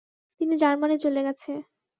তিনি জার্মানি চলে গেছে।